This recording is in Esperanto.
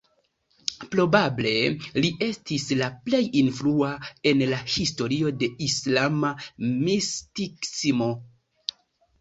Probable li estis la plej influa en la historio de islama mistikismo.